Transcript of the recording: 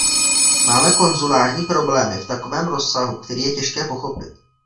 Máme konzulární problémy v takovém rozsahu, který je těžké pochopit.